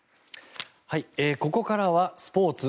ここからはスポーツ。